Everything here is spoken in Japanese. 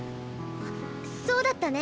そうだったね。